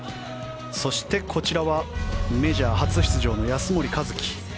そして、こちらはメジャー初出場の安森一貴。